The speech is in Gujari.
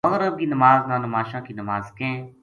مغرب کی نماز نا نماشاں کی نماز کہیں۔